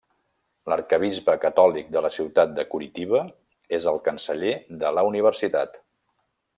L'Arquebisbe catòlic de la ciutat de Curitiba és el canceller de la Universitat.